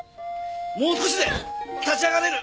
もう少しで立ち上がれる！